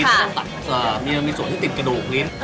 ขออย่างเช่นลิ้นตัดมีส่วนที่ติดกระดูกลิ้น